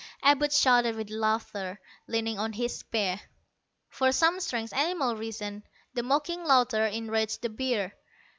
Abud shouted with laughter, leaning on his spear. For some strange animal reason, the mocking laughter enraged the bear.